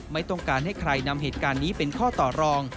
ไม่ต้องการให้ใครนำเหตุการณ์นี้เป็นข้อต่อรอง